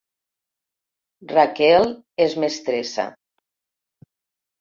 Raquel és mestressa